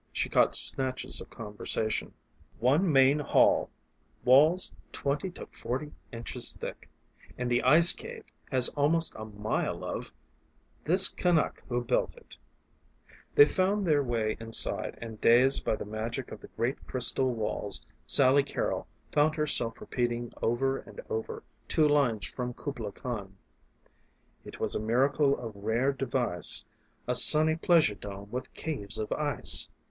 She caught snatches of conversation: "One main hall" "walls twenty to forty inches thick" "and the ice cave has almost a mile of " "this Canuck who built it " They found their way inside, and dazed by the magic of the great crystal walls Sally Carrol found herself repeating over and over two lines from "Kubla Khan": "It was a miracle of rare device, A sunny pleasure dome with caves of ice!"